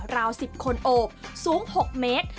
ราว๑๐คนโอบสูง๖เมตร